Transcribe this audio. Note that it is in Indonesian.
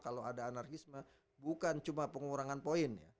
kalau ada anarkisme bukan cuma pengurangan poin ya